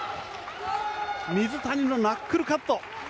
水谷のナックルカット！